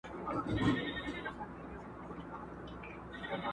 چي سمسور افغانستان لیدلای نه سي.